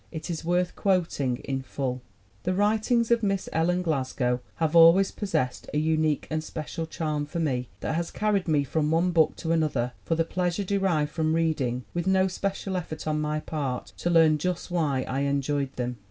It is worth quoting in full: "The writings of Miss Ellen Glasgow have always possessed a unique and special charm for me that has carried me from one book to another for the pleas ure derived from reading, with no special effort on my part to learn just why I enjoyed them.